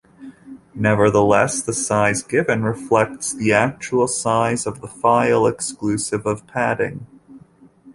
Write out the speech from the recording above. Nevertheless, the size given reflects the actual size of the file exclusive of padding.